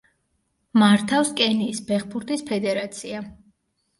მართავს კენიის ფეხბურთის ფედერაცია.